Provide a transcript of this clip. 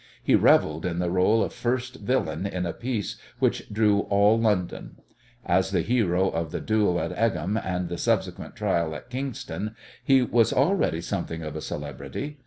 He revelled in the role of first villain in a piece which drew all London. As the hero of the duel at Egham and the subsequent trial at Kingston, he was already something of a celebrity.